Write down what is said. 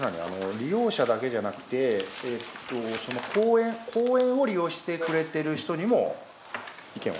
利用者だけじゃなくて公園を利用してくれてる人にも意見を？